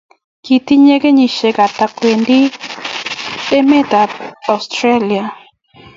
kitinyei kenyishiek hata kingiwengi emetab Australia